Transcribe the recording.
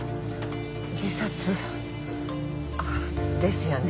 自殺ですよね。